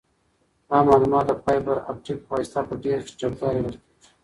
دا معلومات د فایبر اپټیک په واسطه په ډېر چټکتیا لیږل کیږي.